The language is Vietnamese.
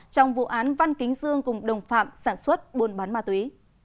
trong vụ án văn kính dương cùng đồng phạm sản xuất buôn bán ma túy